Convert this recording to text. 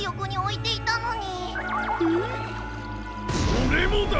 オレもだ！